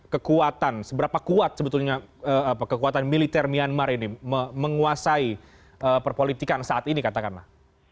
kekuatan seberapa kuat sebetulnya kekuatan militer myanmar ini menguasai perpolitikan saat ini katakanlah